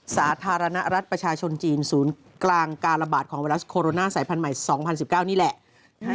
สาธารณรัฐประชาชนจีนศูนย์กลางการระบาดของไวรัสโคโรนาสายพันธุ์ใหม่๒๐๑๙นี่แหละ